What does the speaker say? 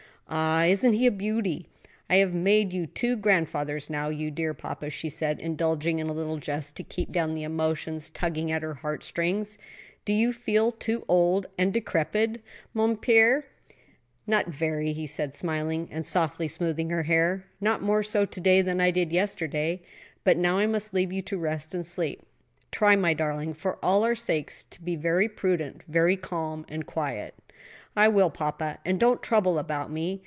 "Ah, isn't he a beauty? I have made you two grand fathers now, you dear papa!" she said, indulging in a little jest to keep down the emotions tugging at her heart strings. "Do you begin to feel old and decrepit, mon père?" "Not very," he said smiling, and softly smoothing her hair; "not more so to day than I did yesterday. But now I must leave you to rest and sleep. Try, my darling, for all our sakes, to be very prudent, very calm and quiet." "I will, papa; and don't trouble about me.